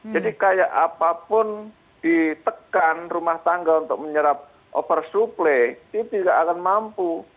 kayak apapun ditekan rumah tangga untuk menyerap oversupply itu tidak akan mampu